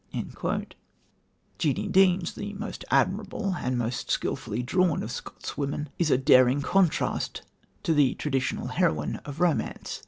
Jeanie Deans, the most admirable and the most skilfully drawn of Scott's women, is a daring contrast to the traditional heroine of romance.